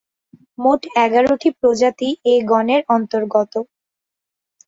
মোট এগারটি প্রজাতি এ গণের অন্তর্গত।